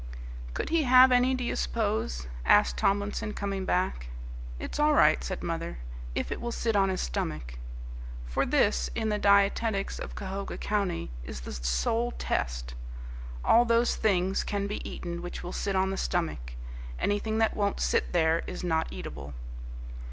"Could he have any, do you suppose?" asked Tomlinson coming back. "It's all right," said mother, "if it will sit on his stomach." For this, in the dietetics of Cahoga County, is the sole test. All those things can be eaten which will sit on the stomach. Anything that won't sit there is not eatable.